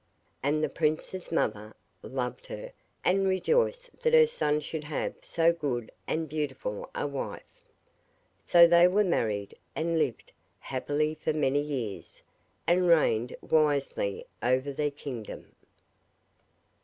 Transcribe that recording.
And the prince's mother loved her, and rejoiced that her son should have so good and beautiful a wife. So they were married, and lived happily for many years, and reigned wisely over their kingdom.